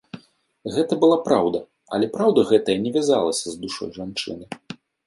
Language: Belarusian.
Гэта была праўда, але праўда гэтая не вязалася з душой жанчыны.